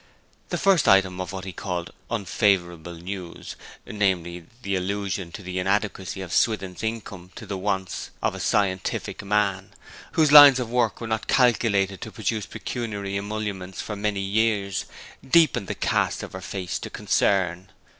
The first item of what he called 'unfavourable news,' namely, the allusion to the inadequacy of Swithin's income to the wants of a scientific man, whose lines of work were not calculated to produce pecuniary emolument for many years, deepened the cast of her face to concern.